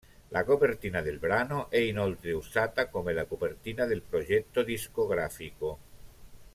La copertina del brano è inoltre usata come la copertina del progetto discografico.